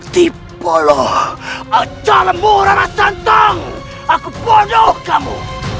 tidak boleh mencari rara santang aku membunuh kamu